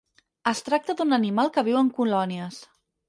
Es tracta d'un animal que viu en colònies.